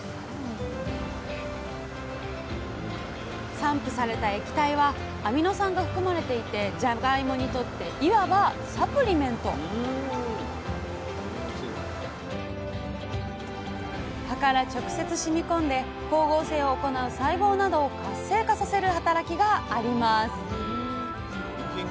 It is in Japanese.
散布された液体はアミノ酸が含まれていてじゃがいもにとっていわばサプリメント葉から直接染み込んで光合成を行う細胞などを活性化させる働きがあります